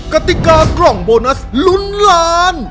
กติกากล่องโบนัสลุ้นล้าน